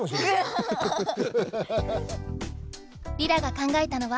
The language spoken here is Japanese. リラが考えたのは？